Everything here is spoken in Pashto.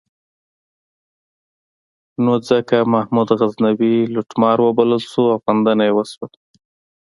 نو ځکه محمود غزنوي لوټمار وبلل شو او غندنه یې وشوه.